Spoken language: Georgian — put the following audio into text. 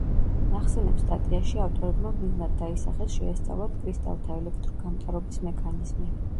ნახსენებ სტატიაში ავტორებმა მიზნად დაისახეს შეესწავლათ კრისტალთა ელექტროგამტარობის მექანიზმი.